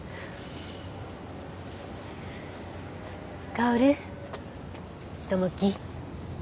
薫友樹。